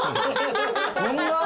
そんな？